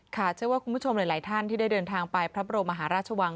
เชื่อว่าคุณผู้ชมหลายท่านที่ได้เดินทางไปพระบรมมหาราชวัง